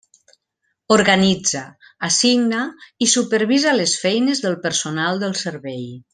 Organitza, assigna i supervisa les feines del personal del Servei.